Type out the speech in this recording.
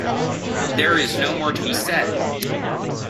Then there is no more to be said.